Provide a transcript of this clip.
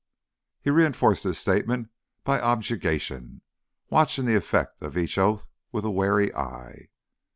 _" He reinforced his statement by objurgation, watching the effect of each oath with a wary eye.